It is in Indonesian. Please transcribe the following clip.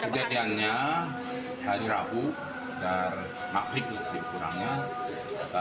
kejadiannya hari rahu dan makrik kurangnya